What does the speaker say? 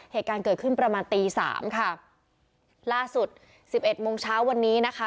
เหตุการณ์เกิดขึ้นประมาณตีสามค่ะล่าสุดสิบเอ็ดโมงเช้าวันนี้นะคะ